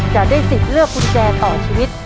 จะได้สิทธิ์เลือกกุญแจต่อชีวิต